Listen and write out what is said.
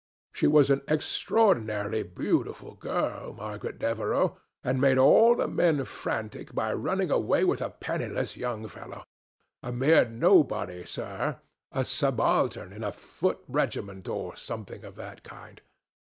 She was an extraordinarily beautiful girl, Margaret Devereux, and made all the men frantic by running away with a penniless young fellow—a mere nobody, sir, a subaltern in a foot regiment, or something of that kind.